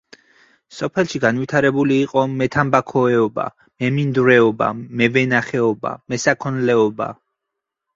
სოფელში განვითარებული იყო მეთამბაქოეობა, მემინდვრეობა, მევენახეობა, მესაქონლეობა.